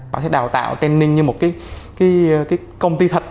họ sẽ đào tạo training như một công ty thạch